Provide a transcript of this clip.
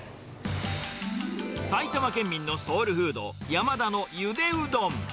埼玉県民のソウルフード、山田のゆでうどん。